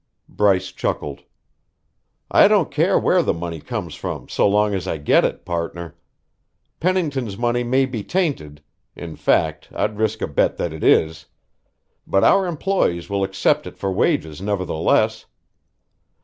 Bryce chuckled. "I don't care where the money comes from so long as I get it, partner. Pennington's money may be tainted; in fact, I'd risk a bet that it is; but our employees will accept it for wages nevertheless.